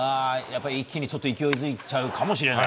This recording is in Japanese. いきなり勢いづいちゃうかもしれない。